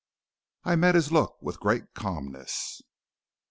"I met his look with great calmness.